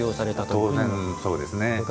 当然、そうですね。